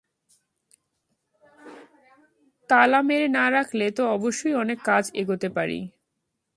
তালা মেরে না রাখলে তো অবশ্যই অনেক কাজ এগোতে পারি।